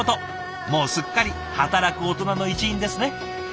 もうすっかり働くオトナの一員ですね。